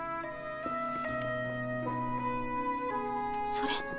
それ。